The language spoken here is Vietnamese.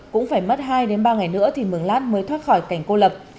cũng phải mất hai đến ba ngày nữa thì mường lát mới thoát khỏi cảnh cô lập